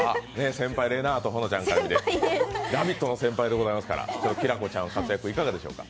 先輩・れなぁとほのちゃんから見て「ラヴィット！」の先輩から見てきらこちゃんの活躍はいかがでしょうか。